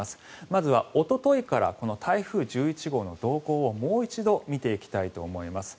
まずはおとといからこの台風１１号の動向をもう一度見ていきたいと思います。